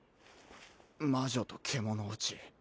魔女と獣堕ち